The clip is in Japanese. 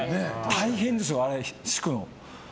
大変ですよ、あれ敷くの。